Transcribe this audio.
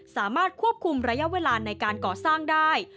สามารถควบคุมระยะเวลาในการก่อสร้างได้